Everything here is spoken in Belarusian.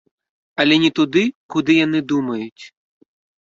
Але не туды, куды яны думаюць.